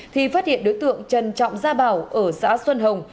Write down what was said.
thì phát hiện đối tượng trần trọng gia bảo ở xã xuân hồng